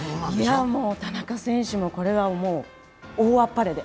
いや、もう田中選手もこれは大あっぱれで。